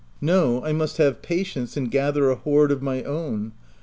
No ; I must have patience and gather a hoard of my own.